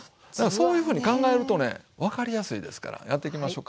そういうふうに考えるとね分かりやすいですからやっていきましょか。